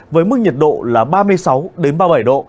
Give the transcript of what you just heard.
với mức nhiệt độ là ba mươi sáu ba mươi bảy độ